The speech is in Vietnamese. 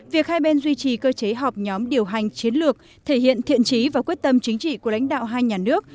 việc hai bên duy trì cơ chế họp nhóm điều hành chiến lược thể hiện thiện trí và quyết tâm chính trị của lãnh đạo hai nhà nước